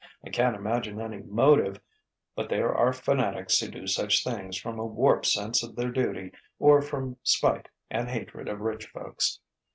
I can't imagine any motive, but there are fanatics who do such things from a warped sense of their duty or from spite and hatred of rich folks.